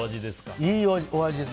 いいお味ですね。